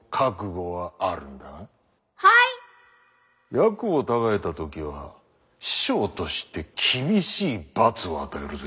約をたがえた時は師匠として厳しい罰を与えるぜ。